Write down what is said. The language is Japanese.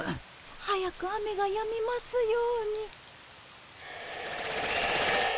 早く雨がやみますように。